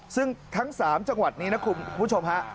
ซึ่งทั้ง๓จังหวัดนี้นะคุณผู้ชมฮะ